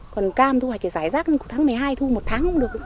còn cam thu hoạch thì giải rác tháng một mươi hai thu một tháng cũng được